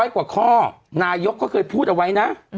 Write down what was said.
กว่าข้อนายกก็เคยพูดเอาไว้นะ